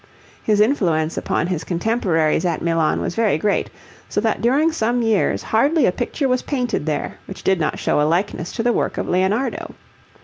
His influence upon his contemporaries at Milan was very great, so that during some years hardly a picture was painted there which did not show a likeness to the work of Leonardo.